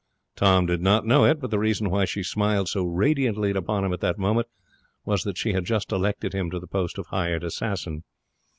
Tom did not know it, but the reason why she smiled so radiantly upon him at that moment was that she had just elected him to the post of hired assassin.